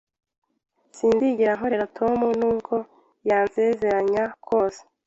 Sinzigera nkorera Tom nubwo yansezeranya kose